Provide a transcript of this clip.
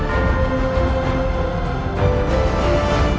hẹn gặp lại